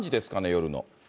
夜の。